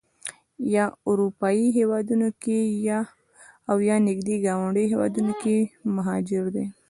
یا اروپایي هېوادونو کې او یا نږدې ګاونډیو هېوادونو کې مهاجر دي.